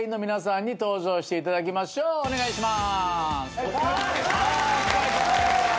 お願いします。